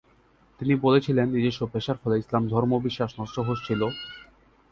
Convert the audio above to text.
তিনি বলেছেন, ‘নিজস্ব পেশার ফলে ইসলাম ধর্ম বিশ্বাস নষ্ট হচ্ছিলো।